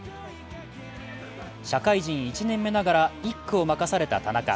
社会人１年目ながら１区を任された田中。